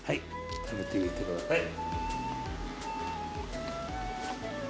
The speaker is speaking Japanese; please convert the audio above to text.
食べてみてください。